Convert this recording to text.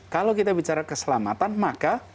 kalau kita bicara keselamatan maka